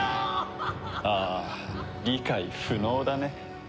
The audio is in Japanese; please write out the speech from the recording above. ああ理解不能だね。